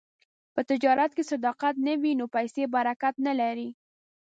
په تجارت کې که صداقت نه وي، نو پیسې برکت نه لري.